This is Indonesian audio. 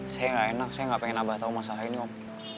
saya nggak enak saya gak pengen abah tahu masalah ini om